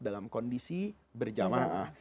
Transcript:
dalam kondisi berjamaah